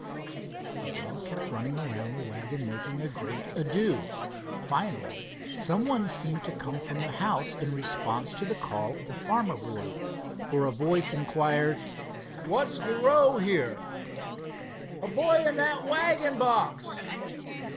The dog kept running around the wagon making a great ado. Finally some one seemed to come from the house in response to the call of the farmer boy, for a voice inquired: "What's the row here?" "A boy in that wagon box."